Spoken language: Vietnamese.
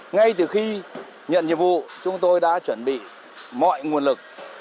ngay từ khi nhận nhiệm vụ chúng tôi đã chuẩn bị mọi nguồn lực